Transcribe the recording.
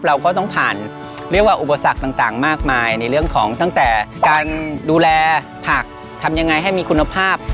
เราก็ต้องผ่านเรียกว่าอุปสรรคต่างมากมายในเรื่องของตั้งแต่การดูแลผักทำยังไงให้มีคุณภาพ